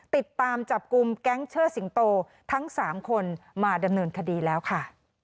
ติดตามจับกลุ่มแก๊งเชิดสิงโตทั้ง๓คนมาดำเนินคดีแล้วค่ะ